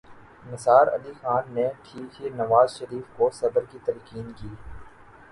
نثار علی خان نے ٹھیک ہی نواز شریف کو صبر کی تلقین کی۔